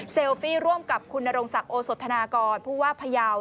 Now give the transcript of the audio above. ฟี่ร่วมกับคุณนรงศักดิ์โอสธนากรผู้ว่าพยาว